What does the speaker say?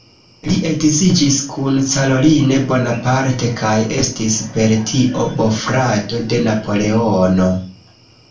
Li edziĝis kun Caroline Bonaparte kaj estis per tio bofrato de Napoleono.